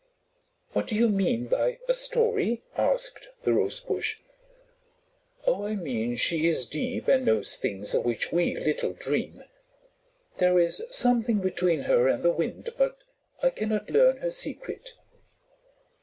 "What do you mean by a story?" asked the Rosebush. "Oh, I mean she is deep and knows things of which we little dream. There is something between her and the Wind, but I cannot learn her secret."